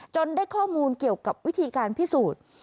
ได้ข้อมูลเกี่ยวกับวิธีการพิสูจน์